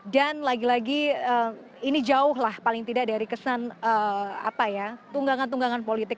dan lagi lagi ini jauh lah paling tidak dari kesan apa ya tunggangan tunggangan politik